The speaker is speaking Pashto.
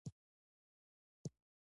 یوازي افغانان دي چي غټي غټي کورنۍ جوړوي.